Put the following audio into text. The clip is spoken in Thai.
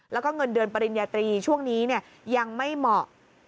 แล้วก็เงินเดือนปริญญาตรีช่วงนี้ยังไม่เหมาะ